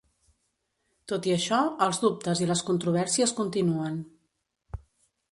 Tot i això, els dubtes i les controvèrsies continuen.